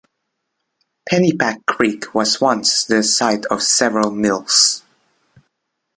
Pennypack Creek was once the site of several mills.